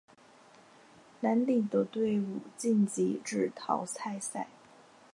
蓝底的队伍晋级至淘汰赛。